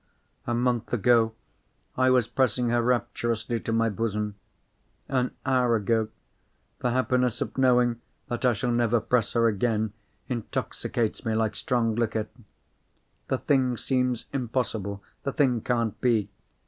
A month ago I was pressing her rapturously to my bosom. An hour ago, the happiness of knowing that I shall never press her again, intoxicates me like strong liquor. The thing seems impossible—the thing can't be.